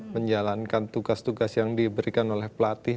menjalankan tugas tugas yang diberikan oleh pelatih